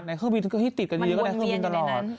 เห็ที่ติดตรงเนี่ยก็และมาตรงนี้ตลอด